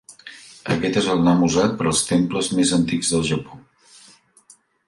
Aquest és el nom usat per als temples més antics del Japó.